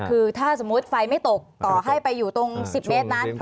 คือถ้าสมมุติไฟไม่ตกต่อให้ไปอยู่ตรง๑๐เมตรนั้น